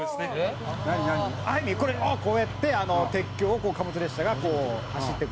これこうやって鉄橋を貨物列車が走っていく」